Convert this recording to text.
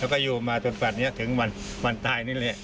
แล้วก็อยู่มาจนถึงวันตายนี่เลย